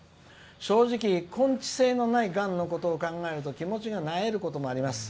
正直、根治性のないがんのことを考えると気持ちがなえることもあります。